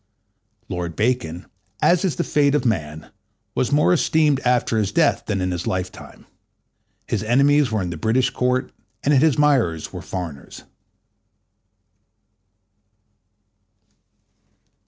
Lord Bacon, as is the fate of man, was more esteemed after his death than in his lifetime. His enemies were in the British Court, and his admirers were foreigners.